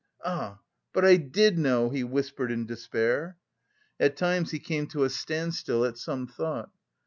Ah, but I did know!" he whispered in despair. At times he came to a standstill at some thought.